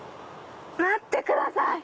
待ってください！